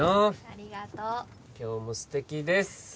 ありがとう今日も素敵です・